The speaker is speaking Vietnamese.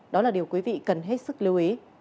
đó là điều quý vị cần hết sức lưu ý